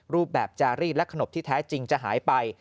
รูปแบบจารีดและขนบที่แท้จริงจะหายไป